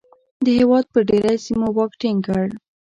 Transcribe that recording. د هېواد پر ډېری سیمو واک ټینګ کړ.